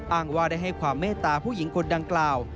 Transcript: อ้างว่าได้ให้ความเมตตาผู้หญิงคนดังกล่าว